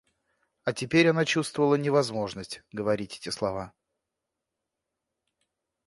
А теперь она чувствовала невозможность говорить эти слова.